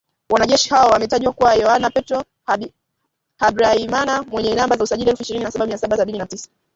Wanajeshi hao wametajwa kuwa Yoano Petro Habyarimana mwenye namba za usajili elfu ishirini na saba Mia saba Sabini na tisa